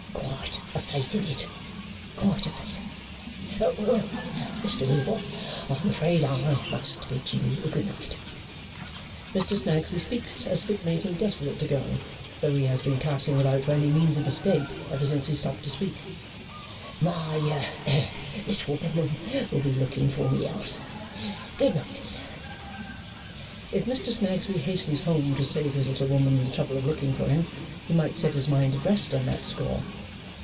"Quite a fate in it. Quite a fate. Well, Mr. Weevle, I am afraid I must bid you good night" Mr. Snagsby speaks as if it made him desolate to go, though he has been casting about for any means of escape ever since he stopped to speak "my little woman will be looking for me else. Good night, sir!" If Mr. Snagsby hastens home to save his little woman the trouble of looking for him, he might set his mind at rest on that score.